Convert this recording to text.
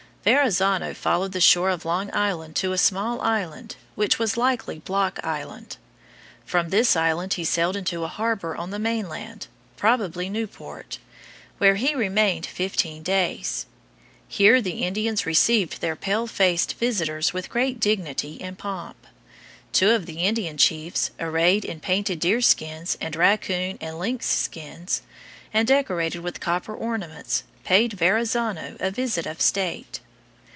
Verrazzano followed the shore of Long Island to a small island, which was likely Block Island. From this island he sailed into a harbor on the mainland, probably Newport, where he remained fifteen days. Here the Indians received their pale faced visitors with great dignity and pomp. Two of the Indian chiefs, arrayed in painted deer skins and raccoon and lynx skins, and decorated with copper ornaments, paid Verrazzano a visit of state.